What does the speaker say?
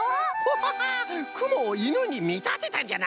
ハハくもをいぬにみたてたんじゃな！